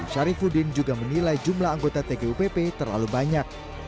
syarifudin juga menilai jumlah anggota tgupp terlalu banyak